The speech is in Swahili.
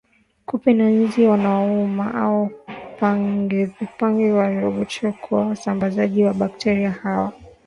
Kupe na nzi wanaouma au pangevipanga wameripotiwa kuwa wasambazaji wa bakteria hawa